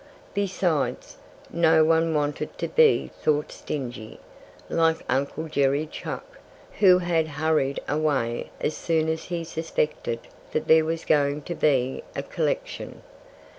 Besides, no one wanted to be thought stingy, like Uncle Jerry Chuck, who had hurried away as soon as he suspected that there was going to be a collection.